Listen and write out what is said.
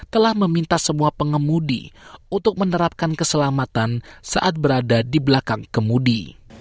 telah meminta semua pengemudi untuk menerapkan keselamatan saat berada di belakang kemudi